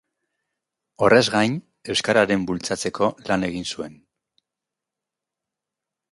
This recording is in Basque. Horrez gain, euskararen bultzatzeko lan egin zuen.